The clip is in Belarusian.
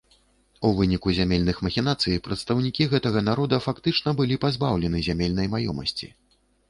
У выніку зямельных махінацый прадстаўнікі гэтага народа фактычна былі пазбаўлены зямельнай маёмасці.